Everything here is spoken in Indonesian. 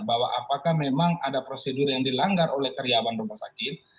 bahwa apakah memang ada prosedur yang dilanggar oleh karyawan rumah sakit